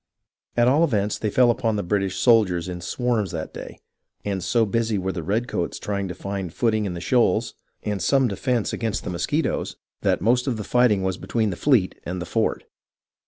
At all events, they fell upon the British soldiers in swarms that day, and so busy were the redcoats trying to find footing in the shoals, and some defence against the mosquitoes, that most of the fighting was between the fleet and the fort.